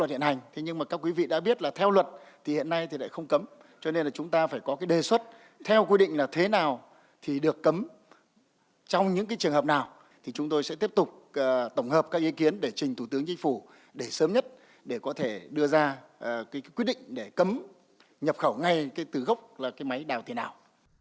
thế nhưng mà các quý vị đã biết là theo luật thì hiện nay thì lại không cấm cho nên là chúng ta phải có cái đề xuất theo quy định là thế nào thì được cấm trong những cái trường hợp nào thì chúng tôi sẽ tiếp tục tổng hợp các ý kiến để trình thủ tướng chính phủ để sớm nhất để có thể đưa ra cái quy định để cấm nhập khẩu ngay cái từ gốc là cái máy đào thế nào